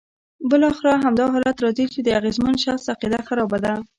بالاخره همدا حالت راځي چې د اغېزمن شخص عقیده خرابه ده.